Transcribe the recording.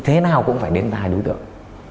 thế nào cũng phải đến tại đối tượng